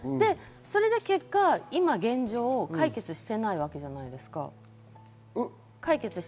結果、現状解決していないわけじゃないですか。